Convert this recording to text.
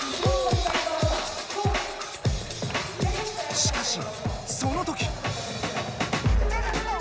しかしそのとき。